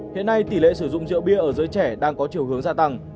hiện nay tỷ lệ sử dụng rượu bia ở giới trẻ đang có chiều hướng gia tăng